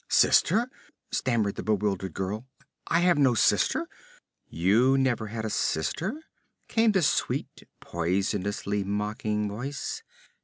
'Sister?' stammered the bewildered girl. 'I have no sister.' 'You never had a sister?' came the sweet, poisonously mocking voice.